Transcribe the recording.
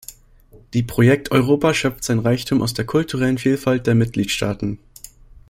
Die Projekt Europa schöpft seinen Reichtum aus der kulturellen Vielfalt der Mitgliedstaaten.